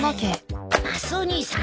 マスオ兄さん